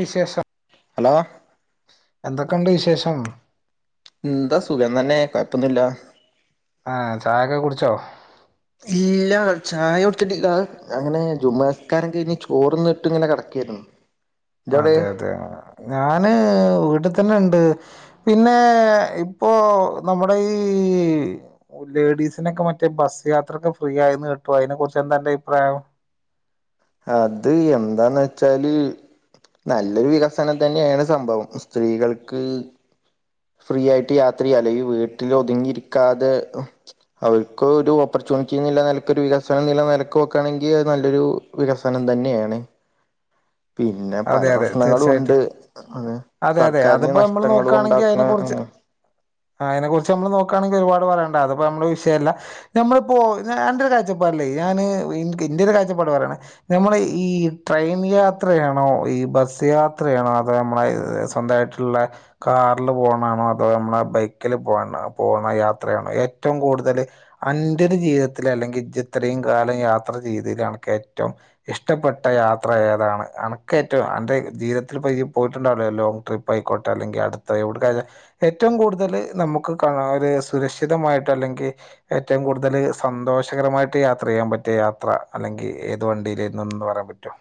വിശേഷം. ഹലോ. എന്തൊക്കുണ്ട് വിശേഷം. എന്താ സുഖം തന്നെ കൊഴപ്പൊന്നുല്ല. ആഹ ചായൊക്കെ കുട്ച്ചോ? ഇല്ല ചായ കൊടുത്തിട്ടില്ല ഞ്ഞാഅങ്ങനെ ജുമ്സ്ക്കാരം കഴിഞ്ഞ് ചോറന്ന ഇട്ട് ഇങ്ങനെ കടക്ക. കേര്ന്നു. അതെ അതെ ഞാന് വീട്ട് തന്നെണ്ട് പിന്നെ ഇപ്പോ നമ്മുടെ ഈ ലേടീ സിനൊക്കെ മറ്റേ ബസ് യാത്രൊക്കെ ഫ്രീ ആയിന്ന് കേട്ടു അതിനെ കുുറിച്ച് എന്താന്റെ അഭിപ്രായം. അത് എന്താന്ന് വെച്ചാല്. നല്ലൊരു വികസനം തന്നെയാണ് സംഭവം സ്ത്രീകൾക്ക് ഫ്രീ ആയിട്ട് യാത്ര ചെയ്യാലോ? ഈവീട്ടിൽ ഒതുങ്ങിയിരിക്കാതെ അവർക്ക് ഒരു ഓപ്പർ ച്ചുനിറ്റി നിലക്ക് ഒരു വികസനം നില നിലക്ക് ഓക്കാണെങ്കിൽ അത്‌നല്ലൊരു വികസനം തന്നെണ്. പിന്നെ പല അതെ അതെ പ്രശ്നങ്ങളും ഉണ്ട് തീർച്ചയായിട്ടും അതെ അതെ സർക്കാരിന് അതിപ്പോ നമ്മൾ നഷ്ടങ്ങളും ഉണ്ടാക്കണ കുറിച്ച് ആ അതിനെ കുറിച്ച് നമ്മള് നോക്കാണെങ്കിൽ ഒരുപാട് പറയനുണ്ട് അപ്പൊ നമ്മള് വിഷയമല്ല ഞമ്മളിപ്പോ എന്റെ ഒരു കാഴ്ചപ്പ ഞാൻ ന്റര് കാഴ്ചപ്പാട് പറയാണ് നമ്മൾ ഈ ട്രെയിൻ യാത്ര ചെ ഒ ഈ ബസ് യാത്രയാണോ അതോ നമ്മളെ സ്വന്തമായിട്ടുള്ള കാറിൽ പോണാണോ അതോ നമ്മള് ആ ബൈക്കിൽ പോ പോണ യാത്രയാണ് ഏറ്റവും കൂടുതൽ അന്റെ ഒരു ജീവിതത്തിൽ അല്ലെങ്കിൽ ഇത്രയും കാലം യാത്ര ചെയ്തിൽഅക്ക് ഏറ്റവും ഇഷ്ടപ്പെട്ട യാത്ര ഏതാണ് ഒ ഏറ്റവും അന്റെ ജീവിത്തിൽ പോയിട്ടുണ്ടാവല്ലോ ലോങ്ങ് ട്രിപ്പ് ആയിക്കോട്ടെ അല്ലെങ്കിൽ അടുത്തവിടെക്ക് ഏറ്റവും ഏറ്റവും കൂടുതൽ നമുക്ക് കാരെ സുരക്ഷിതമായിട്ട് അല്ലെങ്കിൽ ഏറ്റവും കൂടുതൽ സന്തോഷകര മായിട്ട് യാത്ര ചെയ്യാൻ പറ്റിയ യാത്ര അല്ലെങ്കിൽ ഏത് വണ്ടിയിലയിരുന്നു എന്ന് പറയാൻ പറ്റോ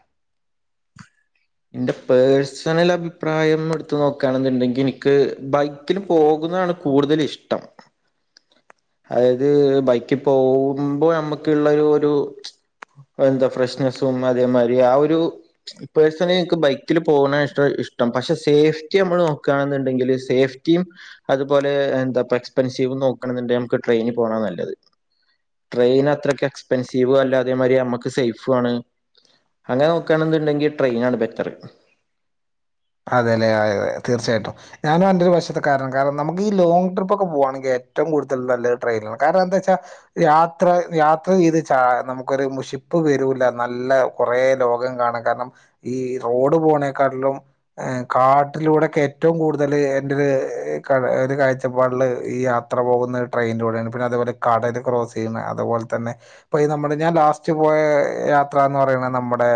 എന്റെ പേഴ്സണൽ അഭിപ്രായം എടുത്ത് നോക്കുകണെന്നുണ്ടെങ്കിൽ എനിക്ക് ബൈക്കിന് പോകും ണ് കൂടുതൽ ഇഷ്ടം അതായത് ബൈക്കിൽ പോകുമ്പോ നമ്മുക്ക് ഉള്ളരു ഒരു എന്താ ഫ്രഷ്നെസും അതേമാരി ആ ഒരു പേഴ്സണലി എനിക്ക് ബൈക്കിൽ പോകണ ഇഷ്ട ഷ്ട പക്ഷെ സേഫ്റ്റി നമ്മൾ നോക്കുകയാണെന്നുണ്ടെങ്കിൽ സേഫ്റ്റിയും അതുപോലെ എന്താ എക്സ്പെൻസീവ്‌ നോക്കണന്നുടെ നമുക്ക്‌ ട്രെയിൽ പോണതാ നല്ലത് ട്രെയിൻ അത്രക്കെ എക്സ്പെൻസീവും അല്ല അതെ മാരി നമ്മുക്ക് സേഫും ആണ് അങ്ങനെ നോക്കുവാന്നോണ്ടെങ്കി ട്രെയിനാണ് ബെറ്റർ അതെ അല്ലെ അതതെ അതെ തീർച്ചയായിട്ടും ഞാനും എന്റെ ഒരു വശത്തെ കാരണം നമുക്ക് ഈ ലോങ്ങ് ട്രിപ്പ് ഒക്കെ പോകവാണെങ്കിൽ ഏറ്റവും കൂടുതൽ നല്ലരു ട്രെയിനാണ് കാരണം എന്താ വെച്ചാ യാത്ര യാത്ര ചെയ്ത് ച നമുക്കൊരു മുഷിപ്പ് വരൂല്ല നല്ല കുറ ലോകം കാണാം കാരണം ഈ ഈ റോഡ് പോണേക്കാട്ടിലും കാട്ടിലൂടെക്കെ ഏറ്റവും കൂടുതൽ എന്റെ ഒരു കാഴ്ചപ്പാടില് ഈ യാത്ര ത്ര പോകുന്നത് ട്രെയിനിലുടെയാണ് പിന്നെ അതേപോലെ കടലു ക്ലോസ് ചെയ്യുന്ന അതുപോലെ തന്നെ ഇപ്പൊ നമ്മുടെ ഞാൻ ലാസ്റ്റ് പോ യാത്രന്ന് പറയണ നമ്മുടെ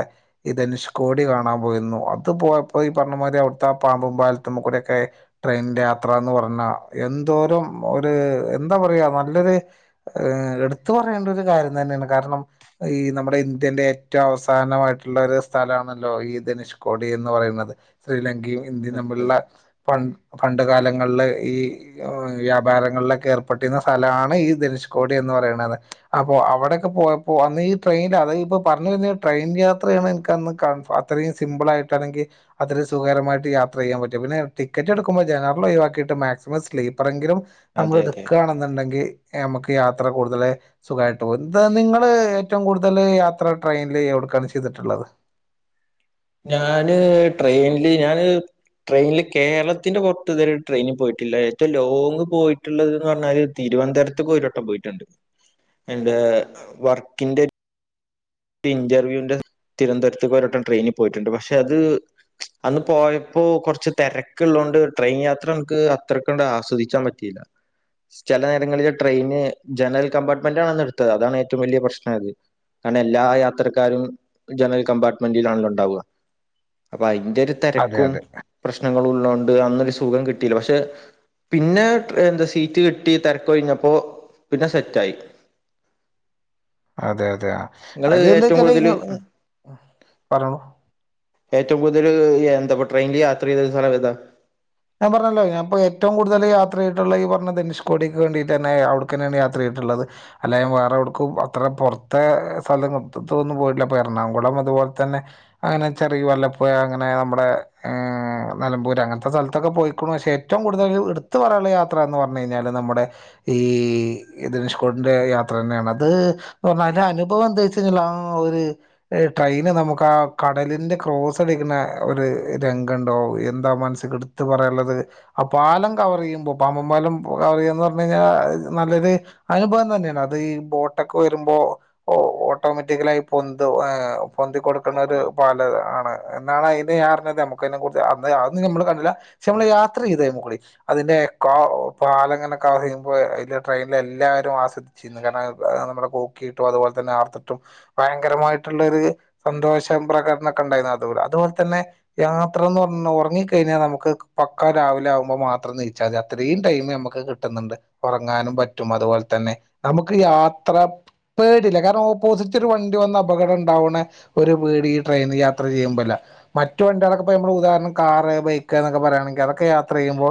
ഇ ധനുഷ്കോടി കാണാൻ പോയിരുന്നു അതുപോ ഇപ്പൊ ഈ പറഞ്ഞമാതിരി അവിടുത്തെ പാമ്പും പാലത്ത കൂടിക്കെ ട്രെയിനിന്റെ യാത്ര എന്ന് പറഞ്ഞാൽ എന്തോരം ഒരു എന്താ പറയാ നല്ലൊരു ഏ എടുത്തു പറയേണ്ട ഒരു കാര്യം തന്നെയാണ് കാരണം ഈ നമ്മുടെ ഇന്ത്യന്റെ ഏറ്റവും അവസാനമായിട്ടുള്ള ഒരു സ്ഥലമാണല്ലോ ഈ ധനുഷ്കോടി എന്ന് പറയുന്നത് ശ്രീലങ്കയും ഇന്ത്യയും അതെ തമ്മിലുള്ള പൺ പണ്ട് കാലങ്ങളില് ഈ വ്യാപാരങ്ങളിലൊക്കെ ഏർപ്പെട്ടിരുന്ന സ്ഥലമാണ് ഈ ധനുഷ്കോടി എ എന്ന്‌ പറയണ്ണത് അപ്പോ അവിടെയൊക്കെ പോയപോ അന്ന് ഈ ട്രെയിനിൽ അ ഇപ്പ പറഞ്ഞു വരുന്ന ട്രെയിൻ യാത്രയാണ് എ അത്രയും സിമ്പിൾ ആയിട്ടാണെങ്കി അത്രു സുഖകരമായിട്ട് യാത്ര ചെയ്യാൻ പറ്റും പിന്നെ ടിക്കറ്റ് എടുക്കുമ്പോൾ ജനറൽ ഒഴിക്കിയിട്ട് മാക്സിമം സ്ലീപ്പർ എങ്കിലും നമ്മൾ അതെ അതെ എടുക്കുകയാണെന്നുണ്ടെങ്കിൽ നമുക്ക് യാത്ര കൂടുതല സുഖമായിട്ട് പോ നിങ്ങള് ഏറ്റവും കൂടുത കൂടുതൽ യാത്ര ട്രെയിനിൽ എവിടുക്കാണ് ചെയ്തിട്ടുള്ളത് ഞാന് ട്രെയിനില് ഞാന് ട്രെയിനില് കേരളത്തിന്റെ പുറത്ത് ഇതുവരെ ട്രെയിനി പോയിട്ടില്ല ഏറ്റവും ലോങ്ങ് പോയിട്ടുള്ളതന് പറഞ്ഞാല് തിരുവനന്തപുരതെക്കു ഒരുവട്ടം പോയിട്ടുണ്ട് എന്റെ വർക്കിന്റെ ഇന്റർവ്യൂവിന്റെ തിരുവനന്തപുരത്തേക്ക് ഒരട്ടം ട്രെയിനിൽ പോയിട്ടുണ്ട് പക്ഷെ അത് അന്ന് പോയപ്പോ കുറച്ച് തിരക്കുള്ള ണ്ട് ട്രെയിൻ യാത്ര എനിക്ക് അത്രക്കൊണ്ട് ആസ്വദിക്കാൻ പറ്റിയില്ല ചില നേരങ്ങളില് ട്രെയിന് ജനറൽ കംമ്പാർട്ട്മെന്റ് ആണ് എടുത്തത് അതാണ് ഏറ്റവും വലിയ പ്രശ്ന ആയാത്‌ എല്ലാ യാത്രക്കാരും ജനറൽ കമ്പാർട്ട്മെന്റിൽ ആണല്ലോ ഉണ്ടാവുക അപ്പൊ അതെ തിരക്കും അതെ പ്രശ്നങ്ങളും ഉള്ളോണ്ട് അന്നൊരു സുഖം കിട്ടിയില്ല പക്ഷെ പിന്നെ എന്താ സീറ്റ് കിട്ടി തിരക്ക് കഴിഞ്ഞപ്പോ പിന്നെ സെറ്റായി അതെ അതെ നിങ്ങള് അത് ഏറ്റവും എന്താച്ചാല് കൂടുതല് പറഞ്ഞളൂ ഏറ്റവും കൂടുതല് എന്താപ്പൊ ട്രെയിനിൽ യാത്ര ചെയ്ത സ്തലം ഏതാ ഞാൻ പർഞ്ഞല്ലോ ഞാപ്പോ ഏറ്റോം കൂട്തല് യാത്രെയ്തിട്ടുള്ള ഈ പർണ ധനുഷ് കോടിക്ക് വേണ്ടിട്ടെന്നെ അവിടക്കെന്നേണ് യാത്രെയ് ള്ളത് അല്ലാതെ വേറെവ്ടുക്കും അത്ര പൊർത്തെ ഏഹ് സലങ് ത്തൊന്നും പോയിട്ട്ല്ല അപ്പം എറണാകുളം അത് പോൽതന്നെ അങ്ങനെ ചെറീ വെല്ലപ്പുഴ അങ്ങനെ നമ്മുടെ ഏവ് നെലമ്പൂർ അങ്ങൻത്തെ സൽ ത്തൊക്കെ പൊയ്ക്കിണു പഷെ ഏറ്റോം കൂടുതൽ ഇടിത്ത് പറയാള്ള യാത്രന്ന് പർഞ്ഞഴിഞ്ഞാല് നമ്മുടെ ഈ ധനുഷ്കോടിന്റെ യാത്രെന്നേണ് അത് പർഞ്ഞാല് അനുഭവം എന്തേച്ചേഞ്ഞാല് ആഹ് ഒര് ഏഹ് ട്രെ പിന്നെ നമുക്ക് ആ കടലിന്റെ ക്രോസ് അടിക്കുന്ന ഒരു രംഗണ്ടോ എന്താ മനസ്സി കിടു ത്ത് പറയാള്ളത് ആ പാലം കവറെയ്യുമ്പോ പാമ്പൻപാലം കവറെയ്യാന്ന് പർഞ്ഞഴിഞ്ഞാ നല്ലൊര് അനുഭവം തെന്ന്യാണ് അത് ഈ ബോട്ടൊക്കെ വരുമ്പോ ഓ ഓട്ടോമാറ്റിക്കലായി പൊന്തു ഏഹ് പൊന്തി കൊടു ക്കണൊരു പാലം ആണ് എന്നാണ് അയ്ന്റെ ഞാ അർഞ്ഞത് അമുക്ക് അയ്നെ കുറിച്ച് അ അതൊന്നും ഞമ്മള് കണ്ടില ഷെ നമ്മള് യാത്രെയ്തേമ്മക്കൂടി അതിന്റെ കാ പാലങ്ങനെ കവറെയ്യുമ്പോ അതിലെ ട്രെയിൻലെ എല്ലാ ആരും ആസ്വദിച്ചീന്നു കാര്ണം ഏഹ് നമ്മുടെ കൂക്കീട്ടും അതുപോൽതന്നെ ആർത്തിട്ടും ഭയ്ങ്ക്രമായിട്ടിള്ളൊര് സന്തോഷം പ്രകട്നൊക്കെ ഇണ്ടായിരുന്നു അതുപോലെ അതുപോലെ തന്നെ യാത്ര എന്ന് പർഞ്ഞ ഒർങ്ങിക്കഴിഞ്ഞാ നമുക്ക് പക്കാ രാവ്ല ആവ്മ്പൊ മാത്രം നീച്ചാതി അത്രീം ടൈമ് ഞമ്മക്ക് കിട്ടിന്നിണ്ട് ഒറങ്ങാനും പറ്റും അതുപോൽതെ തന്നെ നമുക്ക് യാത്ര പേടില്ല കാര്ണം ഓപ്പോസിറ്റ് ഒരു വണ്ടി വന്ന് അപകടണ്ടാവ്ണെ ഒരു പേടി ഈ ട്രെയിൻ യാത്രെയ്യുമ്പൊല്ല മറ്റു വണ്ട്യാളൊക്കെപ്പ ഞമ്മള് ഉദാഹര്ണം കാറ് ബൈക്ക് ഇന്നൊക്കെ പറയാണെങ്കി അതൊക്കെ യാത്രെയ്യുമ്പോ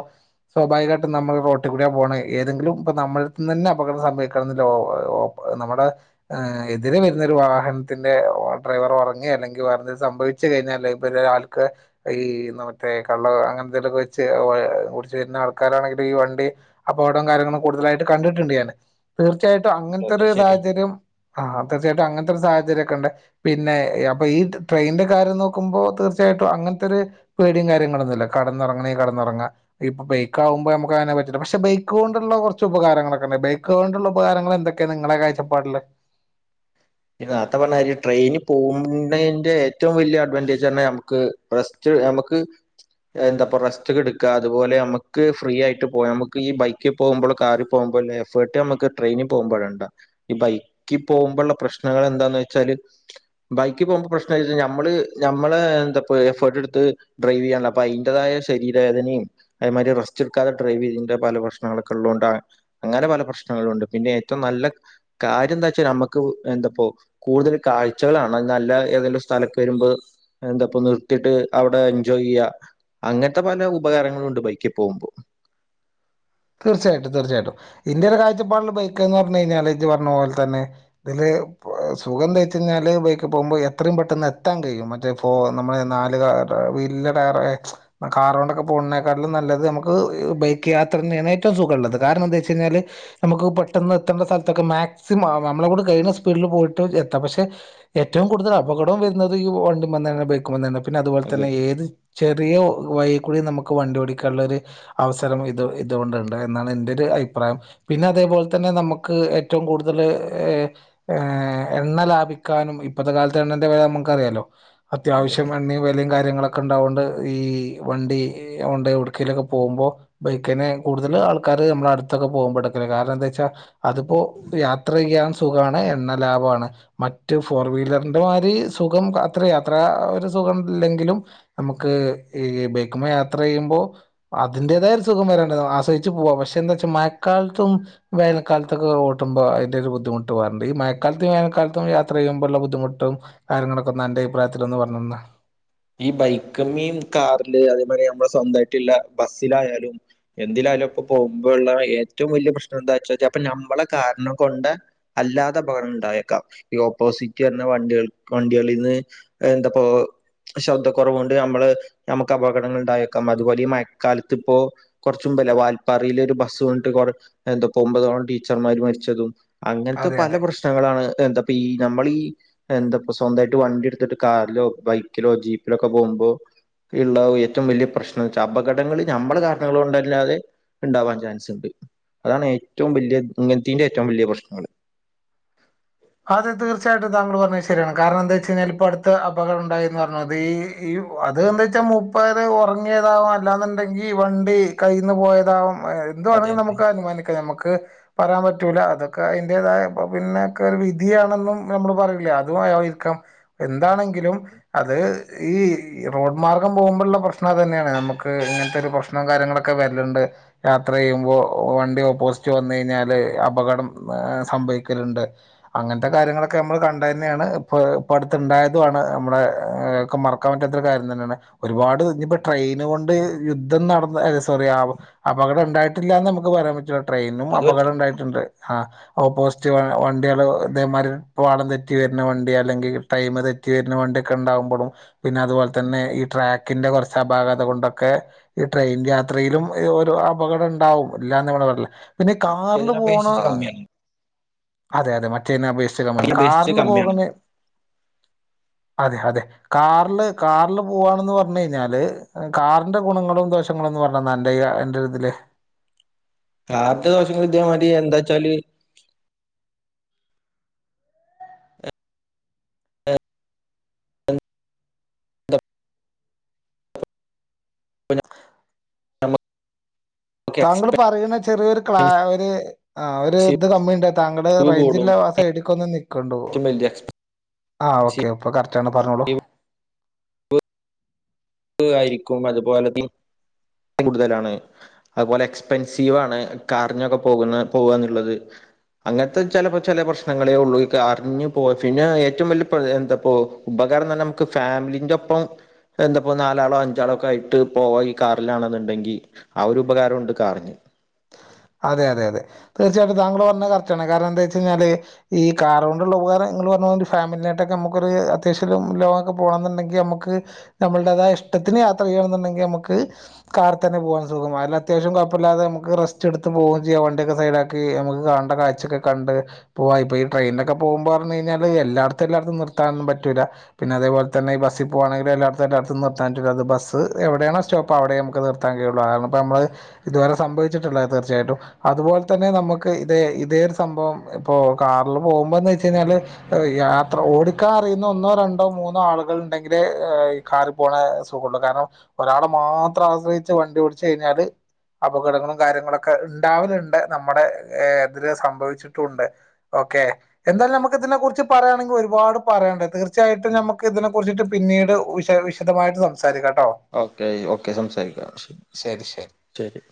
സ്വാഭാവികായ്ട്ടുറ നമ്മൾ റോട്ടിക്കൂടിയാ പോണേ ഏതെങ്കിലും ഇപ്പ നമ്മൾ തിന്നെന്നെ അപകടം സംഭവിക്കാണ്ന്ന് [unintelligible] നമ്മുടെ ഏഹ് എതിരെ വരുന്ന ഒരു വാഹൻത്തിന്റെ ഡ്രൈവറ് ഒറങ്ങെ അല്ലെങ്കി വേറെന്തെങ്കി സംഭവി ശെരിയെന്നെല്ലേ ഇപ്പ ഒരാൾക്ക് ഈ മറ്റേ കള്ളോ അങ്ങൻ തെലൊക്കെ വെച്ച് ഏഹ് കുടിച്ചു വെര്ന ആൾക്കാരാണെങ്കിലും ഈ വണ്ടി അപകടൊം കാര്യങ്ങളും കൂടുതലായിട്ട് കണ്ടിട്ടിണ്ട് ഞാന് തീർച്ചയായിട്ടും അങ്ങൻത്തെ ഒരു സാഹചര്യം ആഹ് തീർച്ചായ്ട്ടും അങ്ങൻത്തെരു സാഹചര്യൊക്കെണ്ട് പിന്നെ അപ്പ ഈ ട്രെയിന്റെ കാര്യം നോക്കുമ്പോ തീർച്ച്യാ യിട്ടോ അങ്ങൻത്തെരു പേടിം കാര്യങ്ങളൊന്നുല്ല കടന്നൊറങ്ങണെങ്കി കടന്നൊറങ്ങ ഇപ്പൊ ബൈക്കാവുമ്പോ നമുക്ക് അങ്ങനെ പറ്റില്ല പക്ഷെ ബൈക്കോണ്ടുള്ള കൊർച്ച് ഉപകാരങ്ങളൊക്കെ ബൈക്ക് കൊണ്ടുള്ള ഉപകാരങ്ങൾ എന്തൊക്കേണ് ങ്ങളെ കായ്ച്ചപ്പാടില്. യ്യ് നേർത്തെ പറഞ്ഞാരി ട്രെയിന് പോവ്ണേന്റെ ഏറ്റവും വലിയ അഡ്വാന്റേജ്റഞ്ഞ നമ്മക്ക് റസ്റ്റ് ണ്ട് അമ്ക്ക് എന്താപ്പൊ റസ്റ്റ്കെട്ക്ക. അതുപോലെ നമുക്ക് ഫ്രീ ആയിട്ട് പോയാ നമുക്ക് ഈ ബൈക്കിൽ പോകുമ്പോൾ കാറിൽ പോകുമ്പോ [unintelligible] എഫേർട്ട് നമുക്ക് ട്രെയിനിൽ പോകുമ്പോഴ്ണ്ട് ഈ ബൈക്ക് പോകുമ്പോള്ള പ്രശ് നങ്ങൾ എന്താന്നോയ്ച്ചാല് ബൈക്ക് പോകുമ്പോ പ്രശ്നന്താച്ചാ ഞമ്മള് ഞമ്മളേ എന്താപ്പോ എഫേർട്ട് എടുത്ത് ര് ഡ്രൈവ്വിയ്യാൺലോ അപ്പോ അയ്ന്റതായ ശരീവേദനീം അതേമാരി റസ്റ്റ്ട്ക്കാതെക്കെ ഡ്രൈവീതിന്റെ പല പ്രശ്നങ്ങളു ഒക്കെള്ളോണ്ടാണ്. അങ്ങനെ പല പ്രശ്നങ്ങളും ഉണ്ട്. പിന്നെ ഏറ്റവും നല്ല കാര്യം എന്താച്ചാനമ്മക്ക് എന്താപ്പോ കൂടുതൽ കാഴ്ചകളാണ്. നല്ല ഏതെങ്കിലും സ്ഥലക്ക് വെരുമ്പോ എന്താപ്പോ നിർത്തിട്ട് അവിടെ എൻജോയ് ചെയ്യാ അങ്ങൻത്തെ പല ഉപകാരങ്ങളൂണ്ട് ബൈക്കി പോവുമ്പോ [inaudible] തീർച്ചയായിട്ടും തീർച്ചയായിട്ടും. ഇന്റൊരു കായ്ചപ്പാട്ൽ ബൈക്ക്ന്ന് പറഞ്ഞു കയ്ഞ്ഞാല് ഇജ്ജ് പർഞ്ഞ പോൽ തന്നെ ഇതില് പ്പൊ സുഖ എന്ത വെച്ചയ്ഞ്ഞാല് ബൈക്ക് പോകുമ്പോ എത്രയും പെട്ടെന്ന് എത്താൻ കഴിയും മറ്റേ ഇപ്പോ നമ്മളെ നാല് കാ റ് വല്യടയറ കാറോണ്ടൊക്കെ പോവുന്നേനേക്കാട്ടിലും നല്ലത് നമുക്ക് ബൈക്ക് യാ ത്രെന്നേണ് ഏറ്റവും സുഖള്ളത് കാരണംന്താ വെച്ചെയ്ഞ്ഞാൽ നമ്മുക്ക് പെട്ടെന്ന് എത്തേണ്ട സ്ഥലത്തൊക്കെ മാക്സിമം നമ്മളേം കൊണ്ട്ക കെയ്ണ സ്പീഡില് പോയിട്ട് എത്താം. പക്ഷെ ഏറ്റവും കൂടുതൽ അപകടം വരുന്നത് ഈ വണ്ടിമ്മന്നന്നെ ബൈക്ക്മ്മന്നന്നേണ്. പിന്നെ അതെ അതുപോലതന്നെ അതെ ഏത് ചെറിയ വഴിയിൽ കൂടി നമുക്ക് വണ്ടി ഓടിക്കാനുള്ള ഒരു അവസരം ഇത് ഇതുകൊണ്ട്ണ്ട് എന്നാണ് എന്റെരു അഭിപ്രായം പിന്നെ അതേപോലെ തന്നെ നമുക്ക് ഏറ്റവും കൂടുതൽ ഏഹ് ഏഹ് എണ്ണ ലാഭിക്കാനും ഇപ്പത്തെ കാലത്തെ എണ്ണന്റെ വില നമുക്കറിയാലോ അതെ അതെ അത്യാവശ്യം എണ്ണേം വേ എല്ലേയ്ങ്കാര്യങ്ങളൊക്കെ ഉണ്ടാവൊണ്ട് ഈ വണ്ടി ഇ ഒണ്ടെവ്ട്‌ക്കേലൊക്കെ പോകുമ്പോ ബൈക്കിന് കൂടുതൽ ആൾക്കാര് നമ്മുടെ അടുത്തൊക്കെ പോകുമ്പോട്ക്കല് കാരണം എന്താ വെച്ചാ അതിപ്പോ യാത്ര ചെയ്യാൻ സുഖാണ്. എണ്ണ ലാഭാണ് മറ്റ് ഫോർ വീലറിന്റെ മാരി സുഖം അത്ര യാത്ര ഒരു സുഖംല്ല എൻങ്കിലും നമുക്ക് ഈ ബൈക്ക്മ്മെ യാത്ര ചെയ്യുമ്പോ അതിന്റതായൊരു സുഖം വേറെണ്ട് [unintelligible] [unintelligible] പോവാ പക്ഷെ എന്താ വെച്ചാ മഴക്കാലത്തും വേനക്കാലത്തൊക്കെ ഓട്ടുമ്പോ അതിന്റെ ഒരു ബുദ്ധിമുട്ട് [unintelligible] മഴക്കാലത്തും വേനൽക്കാലത്തും യാത്ര ചെയ്യുമ്പോഴുള്ള ബുദ്ധിമുട്ടും കാര്യങ്ങളൊക്കെ ഒ എന്റെ അഭിപ്രായത്തില് പറഞ്ഞെന്നാ ഈ ബൈക്കുമ്മേണ് കാറില് അതേ മാതിരി നമ്മള സ്വന്തമായിട്ടുള്ള ബസ്സിലായാലും എന്തിലാലോ ഇപ്പ പോകുമ്പോ ഉള്ള ഏറ്റവും വലിയ പ്രശ്നം എന്താന്ന് വെച്ചാ അപ്പ നമ്മളെ കാരണം കൊണ്ട് അല്ലാതെ പകരം ഉണ്ടായേക്കാം ഈ ഓപ്പോസിറ്റ് വരുന്ന വണ്ടികൾ വണ്ടികളീന്ന് എന്താപ്പോ ശബ്ദക്കൊറവ് കൊണ്ട് നമ്മള് നമുക്ക് അപകടങ്ങൾ ഇണ്ടായേക്കാം അതുപോലെ ഈ മഴക്കാലത്ത് ഇപ്പോ കൊറച്ചും ല്ല വാൽപ്പാറയില് ഒരു ബസ് വീണിട്ട് എന്താ ഒമ്പതോളം ടീച്ചർമാര് മരിച്ചതും അങ്ങനത്തെ അതെ പല അതെ പ്രശ്നങ്ങളാണ് എന്താ അപ്പൊ ഈ നമ്മളീ എന്താ സ്വന്തായിട്ട് വണ്ടി എടുത്തിട്ട് കാറിലോ ബൈക്കിലോ ലോ ജീപ്പിലൊക്കെ പോകുമ്പോ ഇള്ള ഏറ്റവും വലിയ പ്രശ്നം വെച്ചാ അപകടങ്ങള് ഞമ്മള് കാരണങ്ങൾ കൊണ്ടല്ലാതെ ഇണ്ടാവാൻ ചാൻസ് ഉണ്ട് അതാണ് ഏറ്റവും വലിയ [unintelligible] ഏറ്റവും വലിയ പ്രശ്നങ്ങൾ അതെ തീർച്ചയായിട്ടും താങ്കള് പറഞ്ഞത് ശരിയാണ് കാരണം എന്താന്ന് വെച്ചാൽ അടുത്ത് അപകടം ഉണ്ടായീന്ന് പറഞ്ഞത് ഈ അത് എന്ത് വെച്ചാൽ മൂപ്പര് ഉ ഒറങ്ങിയതാവാം അല്ലാന്നുണ്ടെങ്കി വണ്ടി കയ്യീന്ന് പോയതാവും അതെ എന്തുവാണെങ്കിലും അതെ നമുക്ക് അനുമാനിക്കാം നമുക്ക് പറയാൻ പറ്റൂലാ അതൊക്കെ അതിൻ്റേതായ പിന്നെ വിധിയാണെന്നും നമ്മള് പറയൂലേ അതും [unintelligible] എന്താണെങ്കിലും അത് ഈ ഈ റോഡ് മാർഗ്ഗം പോകുമ്പോളുള്ള പ്രശ്നം അത് തന്നെയാണ് നമുക്ക് ഇങ്ങനത്തെ ഒരു പ്രശ്നവും കാര്യങ്ങളൊക്കെ വരിണിണ്ട് യാത്ര ചെയ്യുമ്പോൾ വണ്ടി ഓപ്പോസിറ്റ് വന്ന് കഴിഞ്ഞാല് അപകടം സംഭവിക്കലുണ്ട് അങ്ങനത്തെ കാര്യങ്ങളൊക്കെ നമ്മള് കണ്ട് തന്നെയാണ് ഇപ്പൊ ഇപ്പ അടുത്തുണ്ടായതുമാണ് നമ്മുടെ മ റക്കാൻ പറ്റാത്ത കാര്യം തന്നെയാണ് ഒരുപാട് ഇപ്പോ ട്രെയിന് കൊണ്ട് യുദ്ധം നടന്ന സോറി ആ അപകടം ഉണ്ടായിട്ടില്ലാ എന്ന് നമുക്ക് പറയാൻ പറ്റോ ട്രെയിനും അത് അപകടം പറ്റില്ല ഉണ്ടായിട്ടുണ്ട് ഓപ്പോസിറ്റ് വ കുട്ടികള് ഇതേമാതിരി പാളം തെറ്റി വരുന്ന വണ്ടി അല്ലെങ്കില് ടൈമ് തെറ്റി വരുന്ന വണ്ടിയൊക്കെ ഉണ്ടാകുമ്പോഴും പിന്നെ അതുപോലെ തന്നെ ഈ ട്രാക്കിന്റെ കുറച്ച് അപാകത കൊണ്ടൊക്കെ ഈ ട്രെയിൻ യാത്രയിലും അപകടം ഇണ്ടാവും ഇല്ലാന്ന് [unintelligible] പിന്നെ കാറില് പോണ- ഇതിനപേക്ഷിച്ച് കമ്മിയാണ് അതെ അതെ മറ്റേതിനെ അപേക്ഷിച്ച് ക അപേക്ഷിച്ച് കാറില് കമ്മിയാണ് പോകണ അതെ അതെ കാറില് കാറില് പോവാണെന്ന് പറഞ്ഞു കഴിഞ്ഞാല് കാറിന്റെ ഗുണങ്ങളും [unintelligible] പറഞ്ഞന്നാ എന്റെ എൻ്റെ ഇതില് [unintelligible] ഇതേമാതിരി എന്താന്ന് വെച്ചാല് നമ താങ്കൾ പറയുന്ന ചെറിയൊരു ക്ലാ എക്സ്പെൻസീവ് ഒരു ആ ഒരു ഇത് കമ്മിണ്ടായി താങ്കൾടെ കൂടും റെയ്ഞ്ചൊള്ള സൈടിലേക്ക് ഒന്ന് നിൽക്കണ്ടോ ഏറ്റവും വലിയ എക്സ്പെൻസീവ് ആ ഓക്കെ ഇപ്പൊ കറക്റ്റാണ് പറഞ്ഞോളൂ ആയിരിക്കും അതുപോലെ കൂടുതലാണ് അതുപോലെ എക്സ്പെൻസീവാണ് കാറിനൊക്കെ പോകുന്ന പോവാന്നുള്ളത് അങ്ങനത്തെ ചെലപ്പോ ചെല പ്രശ്നങ്ങളെ ഉള്ളൂ അറിഞ്ഞു പോ പിന്നെ ഏറ്റവും വലിയ എന്താപ്പോ നമുക്ക് ഫാമിലീന്റെ ഒപ്പം എന്താ അപ്പൊ നാലാളോ അഞ്ചാളോ ഒക്കെ ആയിട്ട് പോവാ കാറിലാണെന്നുണ്ടെങ്കി ആ ഒരു ഉപകാരുണ്ട് കാറിന് അതെ അതെ അതെ തീർച്ചയായിട്ടും താങ്കള് പറഞ്ഞത് കറക്റ്റാണ് കാരണം എന്താ വെച്ച് കഴിഞ്ഞാല് ഈ കാറ് കൊണ്ടുള്ള ഉപകാരം പറഞ്ഞാല് ഒരു ഫാമിലിയായിട്ടൊക്കെ നമുക്കൊരു അത്യാവശ്യം ലോങ്ങൊക്കെ പോകണമുണ്ടങ്കി നമുക്ക് നമ്മടേതായ ഇഷ്ട ത്തിന് യാത്ര ചെയ്യണുണ്ടെങ്കി നമുക്ക് കാറീത്തന്നെ പോവാ സുഖമായി അത്യാവശ്യം കുഴപ്പമില്ലാതെ നമക്ക് റെ എടുത്ത് പോകയും ചെയ്യ വണ്ടിയൊക്കെ സൈഡാക്കി നമുക്ക് കാണണ്ട കാഴ്ചൊക്കെ കണ്ട് പോവാ ഇപ്പോ ഈ ട്രെയിനൊക്കെ പോകുമ്പോ [unintelligible] കഴിഞ്ഞാല് എല്ലാടത്തും എല്ലാടത്തും നിർത്താനൊന്നും പറ്റൂല്ലാ പിന്നെ അതേപോലെ തന്നെ ഈ ബസ്സീ പോവാണെങ്കി എല്ലാടത്തും എല്ലാടത്തും നി നിട്ടത് ബസ് എവിടെയാണ് സ്റ്റോപ്പ് അവിടെ നമുക്ക് നിർത്താൻ കഴിയുള്ളു അപ്പോ നമ്മള് ഇതുവരെ സംഭവിച്ചിട്ടുള്ള തീർച്ചയായിട്ടും അതുപോലെ തന്നെ നമുക്ക് ഇത് ഇതേ ഒരു സംഭവം ഇപ്പോ കാറില് പോകുമ്പോന്ന് വെച്ച കഴിഞ്ഞാല് യാത്ര ഓടിക്കാൻ അറിയുന്ന ഒന്നോ രണ്ടോ മൂന്നോ ആളുകള് ഉണ്ടെങ്കില് ഈ കാറി പോണ സുഖമാ കാരണം ഒരാളെ മാത്രം ആശ്രയിച്ച് വണ്ടി ഓടിച്ചു കഴിഞ്ഞാല് അപകടങ്ങളും കാര്യങ്ങളൊ ക്കെ ഇണ്ടാവലുണ്ട് നമ്മുടെ ഇതില് സംഭവിച്ചിട്ടുണ്ട് ഓക്കെ എന്തായാലും നമുക്ക് ഇതിനെ കുറിച്ച് പറയാണെങ്കി ഒരുപാട് പറയാനുണ്ട് തീർച്ചയായിട്ടും ഞമ്മുക്ക് ഇതിനെ കുറിച്ചിട്ട് പിന്നീട് വിശ വിശദമായിട്ട് സംസാരിക്കണം ഓക്കെ ഓക്കെ സംസാരിക്കാം ശരി ശരി ശരി